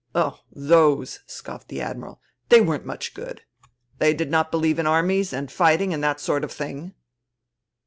"Oh, those!" scoffed the Admiral. "They weren't much good. They did not believe in armies, and fighting, and that sort of thing."